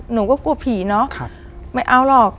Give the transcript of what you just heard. หนูก็กลัวผีเนอะไม่เอาหรอก